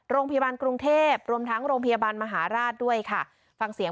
โรงพยาบาลกรุงเทพรวมทั้งโรงพยาบาลมหาลาศ